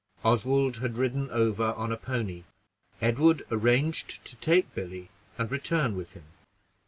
Oswald had ridden over on a pony; Edward arranged to take Billy and return with him.